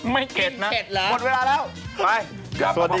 ไม่เข็ดนะ